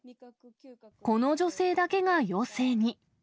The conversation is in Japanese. この女性だけが陽性に。